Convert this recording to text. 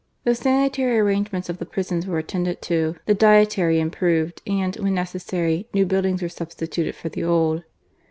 The sanitary arrange ments of the prisons were attended to, the dietary improved, and, when necessary, new buildings were substituted for the old.